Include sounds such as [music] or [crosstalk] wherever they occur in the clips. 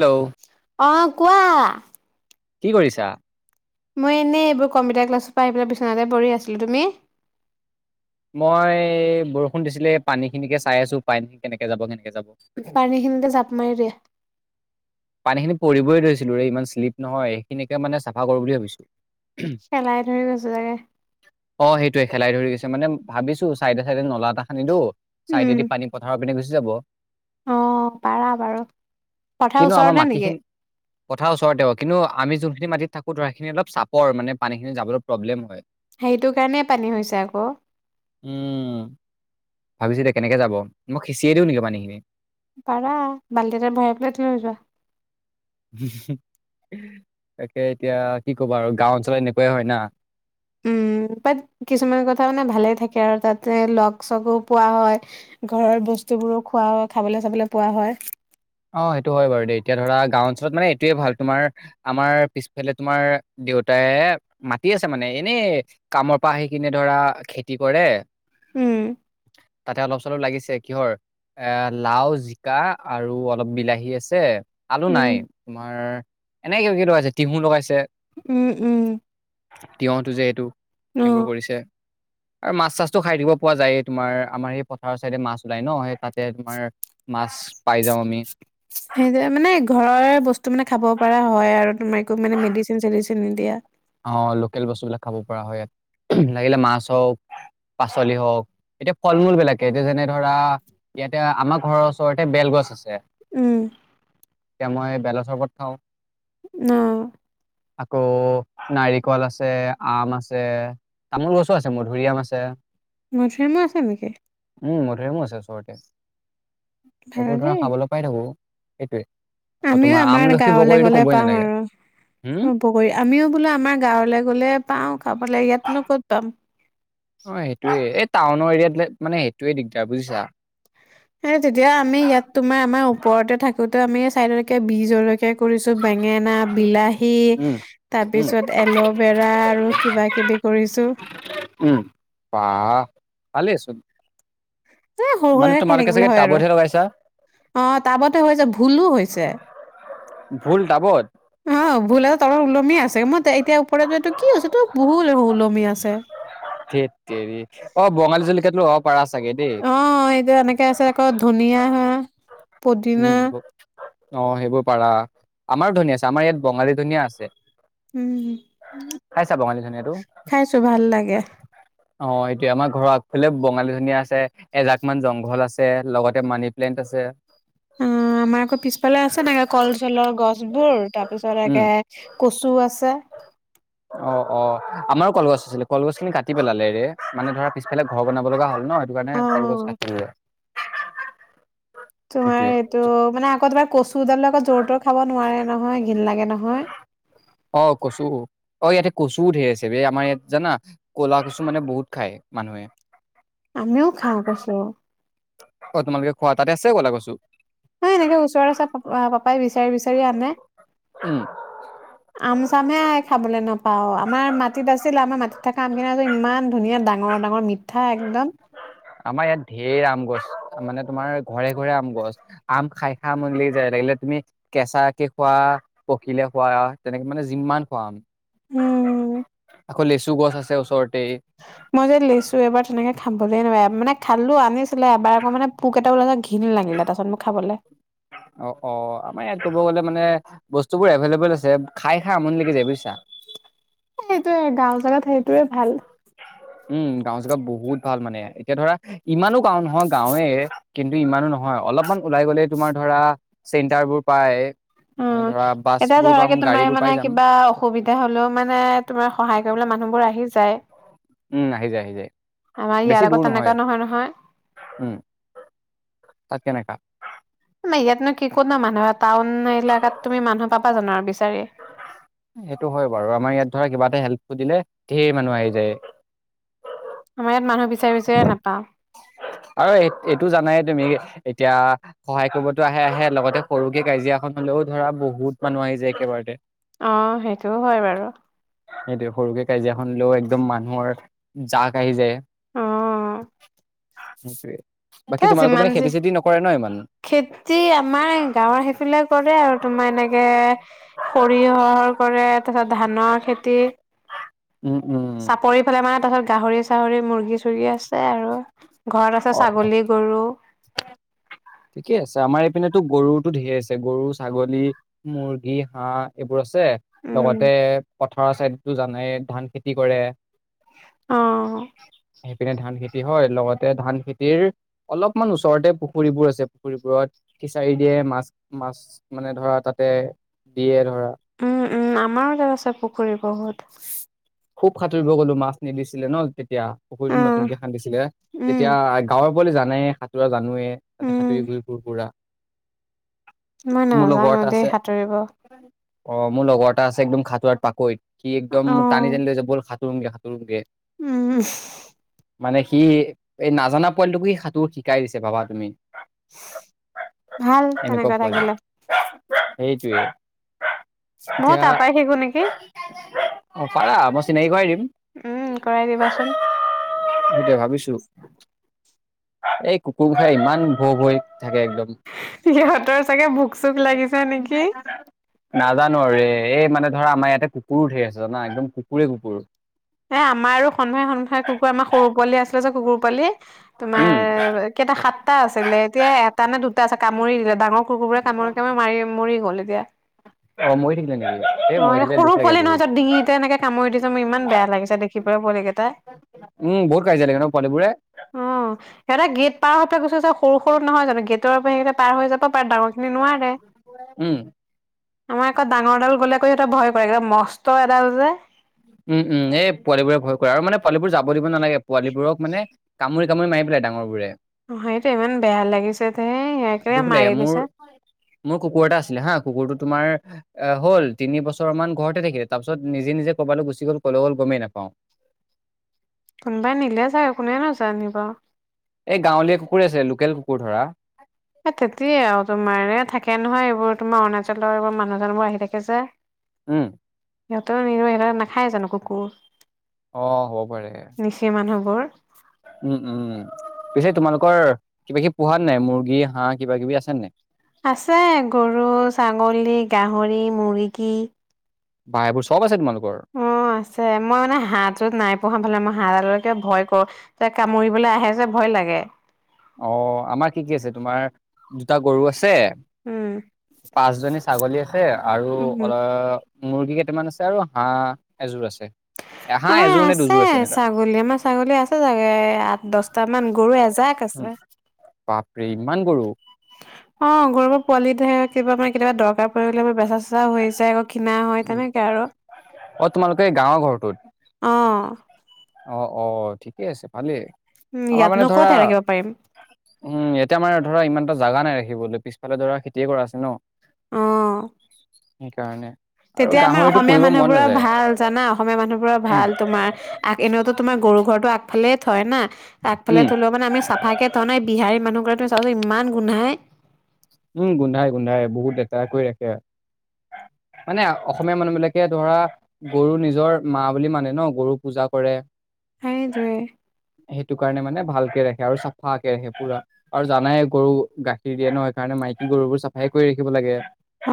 Hello. অ', কোৱা। কি কৰিছা? মই এনে এইবোৰ কম্পিউটাৰ ক্লাছৰ পৰা আহি পেলাই বিচনাতে পৰি আছিলো, তুমি? মই বৰষুণ দিছিলে পানী খিনিকে চাই আছো, পানীখিনি কেনেকে যাব, কেনেকে যাব। পানীখিনিতে জাপ মাৰি দিয়া। পানী খিনিত পৰিবই ধৰিছিলো ৰে ইমান শ্লিপ নহয়, সেইখিনিকে মানে চাফা কৰো বুলি ভাবিছো। শেলাই ধৰি গৈছে চাগে। অ', সেইটোৱে শেলাই ধৰি গৈছে মানে ভাবিছো চাইডে চাইডে নলা এটা খান্দি দিওঁ। উম, চাইডেদি পানী পথাৰৰ পিনে গুচি যাব। অ', পাৰা বাৰু। পথাৰ কিন্তু আমাৰ ওচৰতে নেকি? মাটিখিনি পথাৰ ওচৰতে হব, কিন্তু আমি যোনখিনি মাটিত থাকো ধৰা সেইখিনি অলপ চাপৰ মানে পানীখিনি যাবলে প্ৰব্লেম হয়। সেইটো কাৰণে পানী হৈছে আকৌ। উম। ভাবিছিলোঁ কেনেকে যাব, মই সিঁচিয়ে দিওঁ নেকি পানীখিনি। পাৰা বাল্টি এটাত ভৰাই পেলাই থৈ যোৱা। তাকে এতিয়া কি কবা আৰু গাঁও অঞ্চলত এনেকুৱাই হয় না। উম তাত কিছুমান কথা মানে ভালে থাকে আৰু তাতে লগ-চগো পোৱা হয়। ঘৰৰ বস্তুবোৰো খোৱা খাবলে চাবলে পোৱা হয়। অ' সেইটো হয় বাৰু দেই! এতিয়া ধৰা গাঁও অঞ্চলত মানে এইটোৱে ভাল তোমাৰ আমাৰ পিছফালে তোমাৰ দেউতাই মাটি আছে মানে এনেই কামৰ পৰা আহি কিনে ধৰা খেতি কৰে। উম, তাতে অলপ-চলপ লাগিছে। কিহৰ এ লাউ, জিকা আৰু অ অলপ বিলাহী আছে, আলু উম, নাই তোমাৰ এনে কিবা-কিবি লগাইছে তিহু লগাইছে। উম উম। তিয়তো যে এইটো অ'। এইবোৰ কৰিছে। আৰু মাছ-চাছটো খাই থাকিব পোৱা যায়য়ে তোমাৰ আমাৰ সেই পথাৰৰ চাইডে মাছ ওলায় ন'! সেই তাতে তোমাৰ মাছ পাই যাওঁ আমি। সেইটোৱে মানে ঘৰৰে বস্তু মানে খাব পৰা হয় আৰু তোমাৰ একো মানে মেডিচিন-চেডিচিন নিদিয়া। অ' লোকেল বস্তুবিলাক খাব পৰা হয়। লাগিলে মাছ হওক পাচলি হওক এতিয়া ফল-মূল বিলাকে এতিয়া যেনে ধৰা ইয়াতে আমাৰ ঘৰৰ ওচৰতে বেল গছ আছে। উম। এতিয়া মই বেলৰ চৰবত খাওঁ। [unintelligible] আকৌ নাৰিকল আছে, আম আছে, তামোল গছো আছে, মধুৰি আম আছে। মধুৰি আমো আছে নেকি? উম মধুৰি আমো আছে ওচৰতে। এইবোৰ ধৰা ভালেই খাবলৈ পাই থাকো সেইটোৱে। আমিও আমাৰ গাঁৱলে গলে পাওঁ নালাগে আৰু। হম উপকাৰী আমিও বোলো আমাৰ গাঁৱলৈ গ'লে পাওঁ খাবলৈ ইয়াতনো ক'ত পাম। অ' সেইটোৱে এই টাউনৰ এৰিয়াত গলে মানে সেইটোৱে দিগদাৰ। বুজিছা? সে তেতিয়া আমি ইয়াত তোমাৰ আমাৰ ওপৰতে থাকোতে আমি চাইডলৈকে বীজল হে কৰিছো বেঙেনা, বিলাহী। উম তাৰ উম পিছত এল'ভেৰা আৰু কিবা-কিবি কৰিছো। উম বাহ! ভালেই চুন। এ সৰু-সোৰাকে খাই থাকিবলৈ চাগে হয় আৰু টাবতহে লগাইছা অ' টাবতে হৈছে ভুলো হৈছে। ভুল টাবত? অ' ভুল এ তলত ওলমি আছে মই এতিয়া ওপৰতোটো কি হৈছে তো ভুল ওলমি আছে। হেট তেৰি! অ' বঙালী জলকীয়াটো লগাব পাৰা চাগে দেই। অ' এইটো এনেকে আছে আকৌ ধুনীয়া হে' উম অ' সেইবোৰ পাৰা! আমাৰ ধনীয়া আছে আমাৰ ইয়াত বঙালী ধনীয়া আছে। উম, খাইছা বঙালী ধনিয়াটো খাইছো ভাল লাগে। অ' এইটোয়ে, আমাৰ ঘৰৰ আগফালে বঙালী ধনীয়া আছে। এজাক মান জংঘল আছে, লগতে মানি প্লেণ্ট আছে। অ' আমাৰ আকৌ পিছফালে আছে [unintelligible] কল চলৰ গছ বোৰ তাৰ পিছত উম লৈকে। কচু আছে। অ' অ' আমাৰো কলগছ আছিলে কলগছ খিনি কাটি পেলালে ৰে মানে ধৰা পিছফালে ঘৰ বনাব লগা হ'ল ন সেইটো কাৰণে। কলগছ অ'। কাটি লোৱা সেটোৱে। ত' মানে আকৌ এবাৰ কচুডাল আকৌ জ'ৰ তৰ খাব নোৱাৰে নহয় ঘৃণ লাগে নহয়। অ' কচু অ' ইয়াতে কচু ঢেৰ আছে ৱে আমাৰ ইয়াত জানা। কলাকচু মানে বহুত খায় মানুহে। আমিও খাওঁ কচু। অ' তোমালোকে খোৱা তাতে আছে ক'ল কচু। হয়, এনেকে ওচৰৰে ওচ প পাপাই বিচাৰি বিচাৰি আনে। [unintelligible] আম চামহে খাবলৈ নাপাও আমাৰ মাটিত আছিল, আমাৰ মাটিত থকা আমখিনি ইমান ধুনীয়া দাঙ ডাঙৰ ডাঙৰ মিঠা একদম। আমাৰ ইয়াত ধেৰ আম গছ মানে তোমাৰ ঘৰে ঘৰে আম গছ। আম খাই খাই আমনি লাগি যায় লাগিলে তুমি কেঁচাকে খোৱা পকিলে খোৱা তেনেকে মানে যিমান খোৱা আম। উম আকৌ লেচু গছ আছে ওচৰতে। মই যে লেচু এবাৰ তেনেকে [unintelligible] নোৱাৰ মানে খালো আনি। এবাৰ আকৌ মে পোক এটা ওলাই ঘিণ লাগিলে তাৰ পিছত মোক খাবলৈ। অ' অ' আমাৰ ইয়াত ক'ব গ'লে মানে বস্তুবোৰ এভেইলেবল আছে, খাই খাই আমনি লাগি যাই বুজিছা। সেইটোয়ে গাঁও বোৰত সেইটোয়ে ভাল। উম, গাঁও চেগা বহুত ভাল মানে এতিয়া ধৰা ইমানো গাও নহয় গাঁওৱে। কিন্তু ইমানো নহয় অলপমান ওলাই গলে তোমাৰ ধৰা চেন্টাৰবোৰ পায়। উম, এতিয়া ধৰাকে তোমাৰ বোৰ পাই মানে যাম কিবা অসুবিধা হ'লেও মানে তোমাৰ সহায় কৰিবলৈ মানুহবোৰ আহি যায়। উম, আহি যায় আহি যায় আমাৰ ইয়াৰ বেছি লগত দূৰ নহয় তেনেকুৱা নহয় উম। তাকে নেকা। নাই ইয়াতনো কি কোন ন মানুহৰ টাউন এলেকাত তুমি মানুহ পাবা জানো আৰু বিচাৰি। সেইটো হয় বাৰু আমাৰ ইয়াত ধৰা কিবা এটা হেল্প সুধিলে ঢেৰ মানুহ আহি যায়। আমাৰ ইয়াত মানুহ বিচাৰি বিচাৰি নাপাই। আৰু এইটো জানাই তুমি এতিয়া সহায় কৰিবতো আহে আহে লগতে সৰুকে কাজিয়াখনলৈও ধৰা বহুত মানুহ আহি যায় একেবাৰতে। আ সেইটোও হয় বাৰু। সেইটো সৰুকে কাজিয়াখন লৈও একদম মানুহৰ জাক আহি যায়। অ', সেইটোয়ে তে বাকী তোমালোকৰ যিমান মানে যি খেতি চেতি নকৰে ন ইমান খেতি আমাৰ গাঁৱৰ সেইফালে কৰে আৰু তোমাৰ এনেকে সৰিয়হৰ কৰে তাৰ পিছত ধানৰ খেতি। উম, উম। চাপৰিফালে মানে ত গাহৰি-চাহৰি মুৰ্গী-চৰ্গী আছে। আৰু [unintelligible] ঘৰত আছে অ অ ছাগলী গৰু। ঠিকেই আছে আমাৰ এইপিনেতো গৰুতো ধেৰ আছে গৰু-ছাগলী, মুৰ্গী-হাঁহ। এইবোৰ আছে উম লগতে পথাৰৰ চাইডো জনায়ে ধান খেতি কৰে। অ', পিনে ধান খেতি হয় লগতে ধান খেতিৰ অলপমান ওচৰতে পুখুৰীবোৰ আছে। পুখুৰীবোৰত ফিচাৰি দিয়ে, মাছ -মাছ মানে ধৰা তাতে দিয়ে ধৰা। উম-উম, আমাৰো তাত আছে পুখুৰী বহুত। খুব সাঁতুৰিব গলো, মাছ নিদিছিলে ন তেতিয়া পুখুৰীতো উম নতুনকে খান্দিছিলে। উম তেতিয়া গাঁৱৰ- জানে, সাঁতোৰা জানোৱে তাতে উম সাঁতুৰি ঘুৰি ফুৰো পোৰা। মই মোৰ লগৰ নাজানো এটা দেই আছে। সাঁতুৰিব অ', অঁ, মোৰ লগৰ এটা আছে একদম সাঁতোৰাত পাকৈত। সি একদম মোক- টানি, টানি লৈ যায় বল সাঁতোৰোগে সাঁতোৰোগে। উম, উম। মানে সি এই নাজানা পোৱালিটোকো সি সাঁতোৰ শিকাই দিছে ভাবা তুমি। ভাল এনেকুৱা তেনেকুৱা পোৱালি, থাকিলে সেইটোৱে। মইও তাৰ পৰাই শিকো নিকি? অঁ, পাৰা মই চিনাকী কৰাই দিম। উম, কৰাই দিবাচোন। ভাবিছোঁ। এই কুকুৰ গীতাই ইমান ভৌ-ভয়াই থাকে একদম। সিহঁতৰ চাগে ভোক- চোক লাগিছে নেকি! নাজানো আৰু ৰে। এই মানে ধৰা আমাৰ ইয়াতে কুকুৰো ধেৰ আছে, জানা একদম কুকুৰে কুকুৰ। এ আমাৰ আৰু সন্থাই সন্থাই কুকুৰ, আমাৰ সৰু পোৱালি আছিলে যে কুকুৰ পোৱালি। তোমাৰ উম। কেইটা সাতটা আছিলে, এতিয়া এটা নে দুটা আছে। কামুৰি দিলে, ডাঙৰ কুকুৰবোৰে কামুৰি কামুৰি মাৰি মৰি গ'ল এতিয়া। অঁ, মৰি থাকিলে নেকি? এই মৰি অঁ, এ থাকিলে দুখ সৰু লাগে পোৱালি বহুত নহয় তাৰ ডিঙিতে এনেকে কামুৰি দিছে, মোৰ ইমান বেয়া লাগিছে দেখিবলে পোৱালি কেইটা। উম, বহুত কাজিয়া লাগে ন পোৱালিবোৰে! অঁ, সিহঁতে গেট পাৰ হৈ পেলাই গৈছে যে সৰু সৰু নহয় জানো, গেটৰ পৰা সেইগিতা পাৰ হৈ যাব- পাৰে, ডাঙৰ খিনি নোৱাৰে। উম আমাৰ অকৌ ডাঙৰডাল গ'লে কৈ সিহঁতে ভয় কৰে, একদম মস্ত এডাল যে! উম, উম। এই পোৱালিবোৰে ভয় কৰে আৰু মানে পোৱালিবোৰ যাব নালাগে, পোৱালিবোৰক মানে- কামুৰি, কামুৰি মাৰি পেলাই ডাঙৰ বোৰে। অঁ, সেইটো ইমান বেয়া লাগিছে দেই, সেইটোৱে দুখ লাগে মাৰি মোৰ দিছে। মোৰ কুকুৰ এটা আছিলে হা। কুকুৰটো তোমাৰ- আহ হ'ল তিনি বছৰ মান ঘৰতে থাকিলে তাৰ পিছত নিজে নিজে ক'বালে গুচি গল, ক'লে গল গমেই নাপাওঁ। কোনোবাই নিলে চাগে, কোনেনো জানিব? এই গাঁৱলীয়া কুকুৰৰে আছিলে, লোকেল কুকুৰ ধৰা। এ তেতিয়া আৰু তোমাৰ এয়া থাকে নহয়, এইবোৰ তোমাৰ অৰুণাচলৰ এইবোৰ মানুহ-চানুহ বোৰ আহি থাকে যে! উম। সিহঁতৰ নিৰ সিহঁত নাখায় জানো কুকুৰ? অঁ, হ'ব পাৰে। মিছিং মানুহবোৰ। উম, উম, উম। পিছে তোমালোকৰ কিবা কিবি পোহা নাই মুৰ্গী, হাঁহ কিবা কিবি আছে নাই? আছে গৰু, ছাগলী, গাহৰি, মুৰ্গী। বাহ এইবোৰ চব আছে তোমালোকৰ? অঁ, আছে। মই মানে হাঁহটোত নাই পো়হা মানে মই হাঁহডাল কিবা ভয় কৰো। তাক কামুৰিবলৈ আহে যে ভয় লাগে। অঁ, আমাৰ কি কি আছে? তোমাৰ দুটা গৰু আছে, উম। পাঁচ জনী- ছাগলী আছে আৰু উম, অল মুৰ্গী কেইটামান আছে আৰু হাঁহ এযোৰ আছে। এ হাহ এযোৰ নে দুযোৰ আছে এনেকা। ছাগলী আমাৰ ছাগলী আছে ছাগে আঠ দহটামান গৰু এজাক। আছে। উম, বাপৰে ইমান গৰু? অ', গৰুৰ পোৱালি ধেৰ কিবা মানে কেতিয়াবা দৰকাৰ পৰি গ'লে মানে বেচা-চেচা হৈ যায়, আকৌ কিনা হয়, উম, তেনেকে আৰু অ, তোমালোকে গাঁৱৰ ঘৰটোত? অ'। অ', অ', ঠিকেই আছে ভালেই উম আমাৰ মানে ইয়াতনো ধৰা ক'তহে ৰাখিব পাৰিম উম, ইয়াতে আমাৰ ধৰা ইমান এটা জাগা নাই ৰাখিবলৈ পিছফালে ধৰা খেতিয়ে কৰা আছে ন'! অ'। সেইকাৰণে। আৰু তেতিয়া আমাৰ গাহৰিটো অসমীয়া পুহিব মন মানুহবোৰৰ নাযায় ভাল জানা, অসমীয়া মানুহবোৰৰ ভাল তোমাৰ আগ এনেওতো তোমাৰ গৰু ঘৰটো আগফালে থয় না, উম আগফালে থলেও মানে আমি ভালকৈ থই ন' এই বিহাৰী মানুহবিলাক তুমি চাবাচোন ইমান গোন্ধাই। উম, গোন্ধাই গোন্ধাই বহুত লেতেৰা কৰি ৰাখে। মানে অসমীয়া মানুহ বিলাকে ধৰা গৰু নিজৰ মা বুলি মানে ন' গৰু পূজা কৰে। সেইটোৱে। সেইটো কাৰণে মানে ভালকে ৰাখে আৰু চাফকে ৰাখে পুৰা। আৰু জানাই গৰু গাখীৰ দিয়ে ন' সেইকাৰণে মাইকী গৰুবোৰ চাফাই কৰি ৰাখিব লাগে।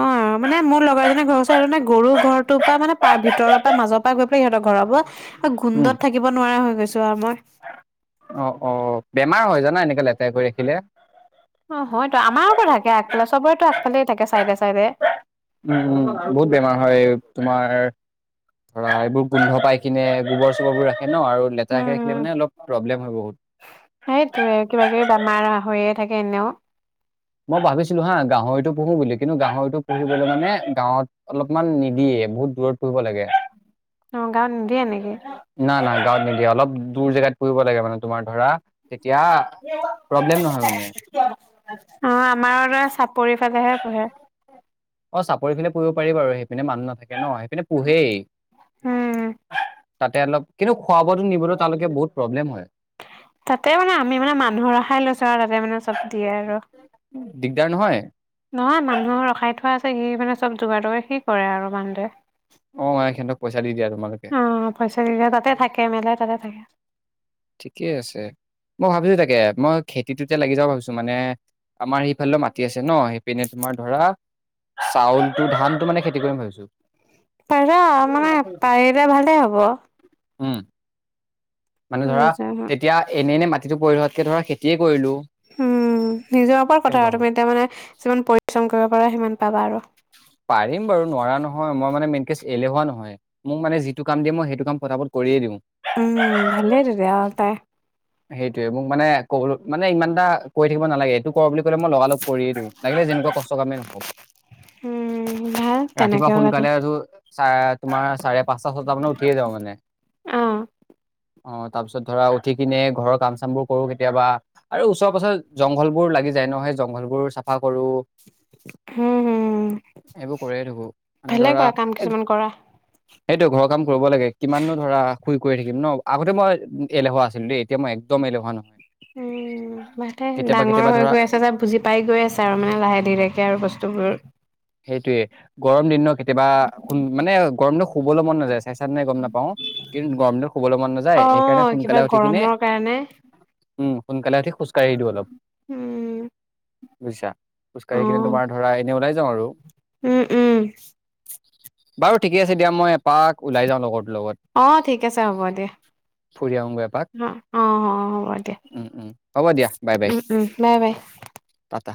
অ', মানে মোৰ লগৰ এজনে ঘৰ ওচৰত সে গৰুৰ ঘৰটোৰ পৰা মানে প ভিতৰৰ পৰা মাজত গৈ পেলাই সিহঁতৰ ঘৰৰ পৰা গোন্ধত থাকিব নোৱাৰা হৈ গৈছো আৰু মই। অ', অ', বেমাৰ হয় জানা এনেকে লেতেৰা কৰি ৰাখিলে। অ', হয়তো আমাৰোটো থাকে আগফালে, চবৰেতটো আগফালেই থাকে চাইডে চাইডে। উম, উম, বহুত বেমাৰ হয় তোমাৰ ধৰা এইবোৰ গোন্ধ পাই কিনে গোবৰ-চোবৰবোৰ ৰাখে ন' আৰু উম লেতেৰাকে ৰাখিলে উম মানে অলপ প্ৰব্লেম হয়, বহুত। সেইটোয়ে কিবা কিবি বেমাৰ হৈয়ে থাকে এনেও। মই ভাবিছিলো হা গাহৰিটো পুহো বুলি, কিন্তু গাহৰিটো পুহিবলৈ মানে গাঁৱত অলপমান নিদিয়ে। বহুত দূৰত পুহিব লাগে। অ', গাঁৱত নিদিয়ে নেকি? না না গাঁৱত নিদিয়ে। অলপ দূৰ জেগাত পুহিব লাগে মানে তোমাৰ ধৰা তেতিয়া প্ৰব্লেম নহয় মানে। অ', আমাৰ [unintelligible] চাপৰি ফালেহে পুহে। অ, চাপৰি ফালে পুহিব পাৰি আৰু সেইপিনে মানুহ নাথাকে ন' সেইপিনে পোহেই। উম তাতে অলপ, কিন্তু খোৱা-বোৱাতো নিবলৈ তালৈকে বহুত প্ৰব্লেম হয়। তাতে মানে আমি মানে মানুহ ৰখাই লৈছো আৰু তাতে মানে চব দিয়ে আৰু। দিগদাৰ নহয়? নহয় মানুহ ৰখাই থোৱা আছে, সি মানে চব যোগাৰ-টোগাৰ সি কৰে আৰু মানুহটোৱে। অ', মানে সিহঁতক পইচা দি দিয়া তোমালোকে। পইছা দি দিয়ে তাতে থাকে মেলে তাতে থাকে। ঠিকেই আছে। মই ভাবিছো তাকে মই খেতিটোতে লাগি যাওঁ ভাবিছো। মানে আমাৰ সেইফালেও মাটি আছে ন'। সেইপিনে তোমাৰ ধৰা চাউলটো ধানটো মানে খেতি কৰিম ভাবিছো। পাৰিব মানে পাৰিলে ভালেই হ'ব। উম। মানে ধৰা নিজৰ তেতিয়া এনেই এনেই মাটিটো পৰি থকাতকে ধৰা খেতিয়ে কৰিলো। উম নিজৰ ওপৰত কথা কেনেকুৱা হ'ব তুমি এতিয়া মানে যিমান পৰিশ্ৰম কৰিব পাৰা সিমান পাবা আৰু। পাৰিম বাৰু নোৱাৰা নহয় মই মানে মেনকে এলেহুৱা নহয় মোক মানে যিটো কাম দিয়ে মই সেইটো কাম পটাপত উম ভালেই তেতিয়া আৰু তাই। সেইটোৱে মোক মানে কবলে মানে ইমান এটা কৈ থাকিব নালাগে এইটো কৰ বুলি কলে মই লগাল কৰিয়ে দিওঁ। লাগিলে যেনে কোৱা কষ্ট কামেই নহওঁক। উম। ভাল ৰাতিপুৱা তেনেকে হ'লে তাই সোনকালে উঠো চা তোমাৰ চাৰে পাঁচটা, ছটা মানত উঠিয়ে যাওঁ মানে। অ'। অ তাৰ পিছত ধৰা উঠি কিনে ঘৰৰ কাম চাম বোৰ কৰো কেতিয়াবা আৰু ওচৰ পাছৰ জংঘল বোৰ লাগি যায় ন সেই জংঘল বোৰ চাফা কৰো। হুম হুম এইবোৰ কৰিয়ে থাকো মানে ভালে ধৰা কৰা কাম এ কিছুমান কৰা। সেইটো ঘৰৰ কাম কৰিব লাগে কিমাননো ধৰা শুই কৰি থাকিম ন আগতে মই এলেহুৱা আছিলো দেই। এতিয়া মই একদম এলেহোৱা নহয়। উম [unintelligible] কেতিয়াবা ডাঙৰ কেতিয়াবা হৈ ধৰা গৈ আছে যে বুজি পাই গৈ আছে আৰু মানে লাহে ধীৰেকে আৰু বস্তুবোৰ। সেইটোয়ে গৰম দিন ন কেতিয়াবা মানে গৰম দিনত শুবলে মন নেযায় চেচাত নে গম নাপাওঁ কিন্তু গৰম দিনত শুবলৈ মন নযা যায় অ', সেইকাৰণে কিবা সোনকালে উঠি কিনে গৰমৰ কাৰণে উম সোনকালে উঠি খোজকাঢ়ি দিওঁ অলপ। উম। বুজিছা খোজ কাঢ়ি কিনে অ'। তোমাৰ ধৰা এনেই ওলাই যাওঁ আৰু। উম উম। বাৰু ঠিকে আছে দিয়া মই এপাক ওলাই যাওঁ লগৰটো লগত। অ ঠিক আছে হ'ব দিয়া ফুৰি আহোগৈ এপাক অ অ অ হ'ব দিয়া। উম হ'ব। উম উম বাই বাই। পাতা।